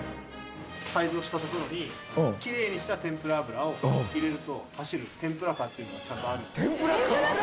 改造した所にきれいにした天ぷら油を入れると走る天ぷらカーっていうのがちゃんとあるんですよ。